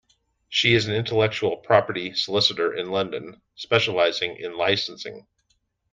She is an intellectual property solicitor in London, specialising in licensing.